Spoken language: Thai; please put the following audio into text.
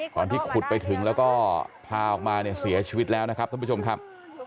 ตอนที่ขุดไปถึงแล้วก็พาออกมาเนี่ยเสียชีวิตแล้วนะครับท่านผู้ชมครับ